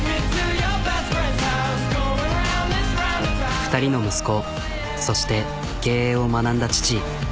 ２人の息子そして経営を学んだ父。